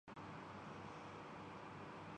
علم کی عدالت میں، یہ دونوں مقدمات ثابت نہیں ہیں۔